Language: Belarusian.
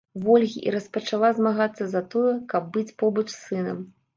Вольгі і распачала змагацца за тое, каб быць побач з сынам.